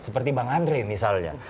seperti bang andre misalnya